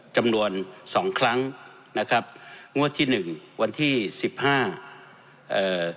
จำนวนสองครั้งนะครับงวดที่หนึ่งวันที่สิบห้าเอ่อ